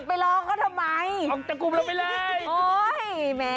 ไปร้องก็ทำไม